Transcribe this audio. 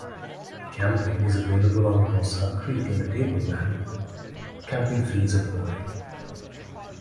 Camping is available on Mimosa Creek in the Tableland, camping fees apply.